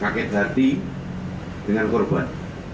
kaget hati dengan korban